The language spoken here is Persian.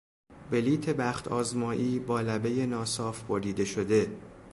بلیط بخت آزمایی با لبهی ناصاف بریده شده